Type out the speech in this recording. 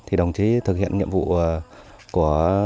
thì đồng chí thực hiện nhiệm vụ của